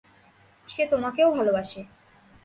সে তোমাকেও ভালবাসে।